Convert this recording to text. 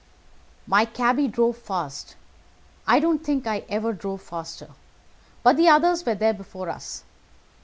"My cabby drove fast. I don't think I ever drove faster, but the others were there before us.